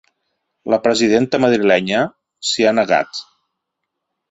La presidenta madrilenya s’hi ha negat.